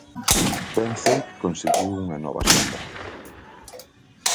Ben sei que conseguiu unha nova sombra.